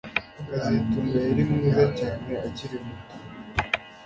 kazitunga yari mwiza cyane akiri muto